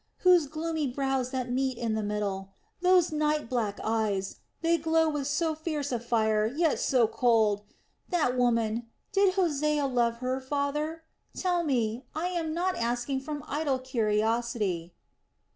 those gloomy brows that meet in the middle... those nightblack eyes... they glow with so fierce a fire, yet are so cold.... That woman... did Hosea love her, father? Tell me; I am not asking from idle curiosity!"